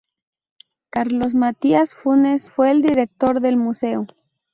Carlos Matías Funes fue el director del museo.